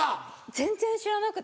全然知らなくて。